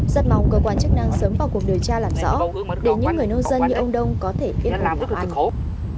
rất mong cơ quan chức năng sớm vào cuộc điều tra làm rõ để những người nông dân như ông đông có thể ít hỗn hợp